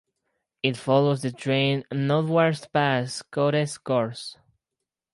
It follows the drain northwards past Coates Gorse.